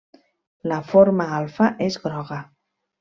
La forma alfa és groga.